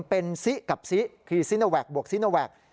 เป็นซิกับซิคือซิโนแวคบวกซิโนแวค